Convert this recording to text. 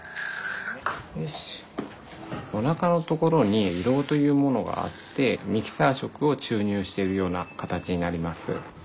おなかのところに胃ろうというものがあってミキサー食を注入してるような形になります。